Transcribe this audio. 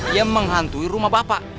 ia menghantui rumah bapak